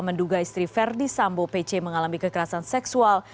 menduga istri verdi sambo pc mengalami kekerasan seksual